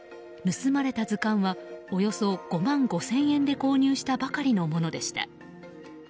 盗まれた図鑑はおよそ５万５０００円で購入したばかりのものでした。